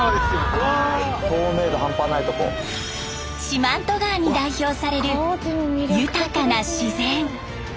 四万十川に代表される豊かな自然！